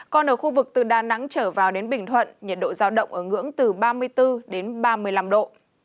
còn ở khu vực từ đà nẵng trở vào đến bình thuận nhiệt độ giao động ở ngưỡng từ ba mươi bốn đến ba mươi năm độ